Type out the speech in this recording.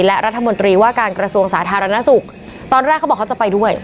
และรัฐมนตรีว่าการกระทรวงสาธารณสุขตอนแรกเขาบอกเขาจะไปด้วย